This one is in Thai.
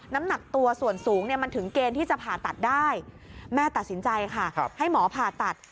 น้ำหนักตัวส่วนสูงเนี่ยมันถึงเกณฑ์ที่จะผ่าตัดได้แม่ตัดสินใจค่ะให้หมอผ่าตัด